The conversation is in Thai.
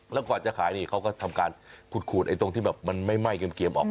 แล้วกว่าจะขายนี่เขาก็ทำการขูดไอ้ตรงที่แบบมันไม่ไหม้เกรียมออก